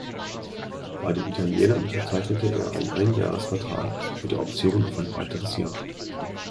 Bei den Italienern unterzeichnete er einen Einjahresvertrag mit der Option auf ein weiteres Jahr.